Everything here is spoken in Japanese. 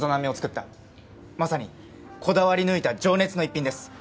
まさにこだわり抜いた情熱の逸品です。